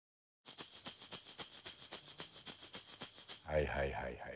はいはいはいはい。